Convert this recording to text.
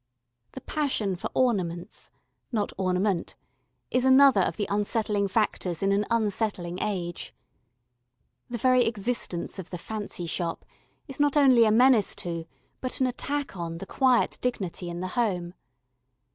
The passion for ornaments not ornament is another of the unsettling factors in an unsettling age. The very existence of the "fancy shop" is not only a menace to, but an attack on the quiet dignity in the home.